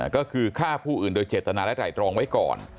ก็คือฆ่าผู้อื่นโดยเจตนาและไหล่ตรองไว้ก่อน